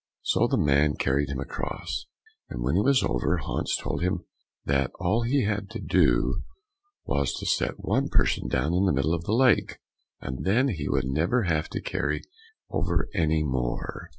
So the man carried him across, and when he was over Hans told him that all he had to do was to set one person down in the middle of the lake, and then he would never have to carry over any more.